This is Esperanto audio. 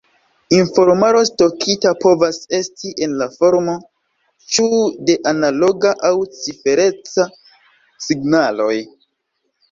Informaro stokita povas esti en la formo ĉu de analoga aŭ cifereca signaloj.